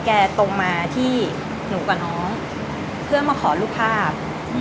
ตรงมาที่หนูกับน้องเพื่อมาขอรูปภาพ